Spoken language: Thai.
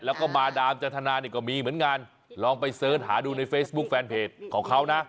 แล้วก็มาดามจันทนานี่ก็มีเหมือนกันลองไปเสิร์ชหาดูในเฟซบุ๊คแฟนเพจของเขานะ